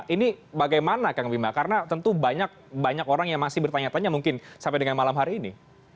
ini bagaimana kang bima karena tentu banyak orang yang masih bertanya tanya mungkin sampai dengan malam hari ini